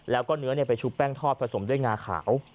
แล้วก็เนื้อไปชุบแป้งทอดผสมด้วยงาขาว